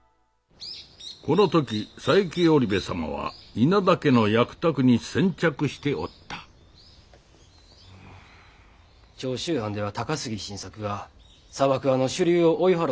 この時佐伯織部様は稲田家の役宅に先着しておった長州藩では高杉晋作が佐幕派の主流を追い払うたそうじゃ。